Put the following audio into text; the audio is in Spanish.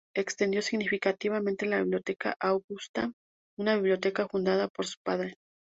Extendió significativamente la "Biblioteca Augusta", una biblioteca fundada por su padre.